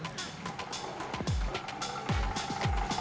udah masuk gurihnya gitu